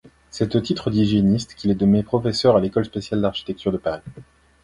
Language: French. C'est au titre d'hygiéniste qu'il est nommé professeur à l'École spéciale d'architecture de Paris.